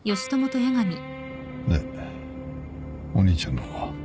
でお兄ちゃんの方は？